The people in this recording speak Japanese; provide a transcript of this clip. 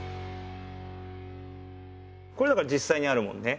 これだから実際にあるもんね。